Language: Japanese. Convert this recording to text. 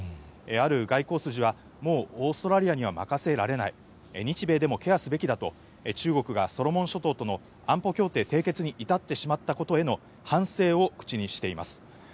ある外交筋は、もうオーストラリアには任せられない、日米でもケアすべきだと、中国がソロモン諸島との安保協定締結に至ってしまったことへの反省を口にしています。